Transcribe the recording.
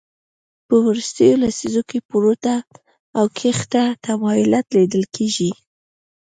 په وروستیو لسیزو کې پورته او کښته تمایلات لیدل کېږي